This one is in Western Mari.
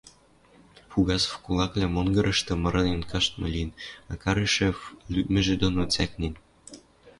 Фугасов кулаквлӓ монгырышты мырлен каштшы лин, а Карышев лӱдмӹжӹ доно цӓкнен.